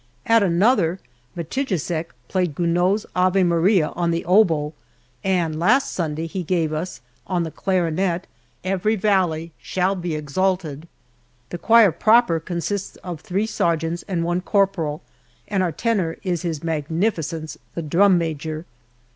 At another, Matijicek played Gounod's "Ave Maria" on the oboe, and last Sunday he gave us, on the clarinet, "Every valley shall be exalted." The choir proper consists of three sergeants and one corporal, and our tenor is his magnificence, the drum major!